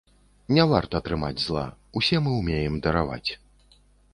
Не варта трымаць зла, усе мы ўмеем дараваць.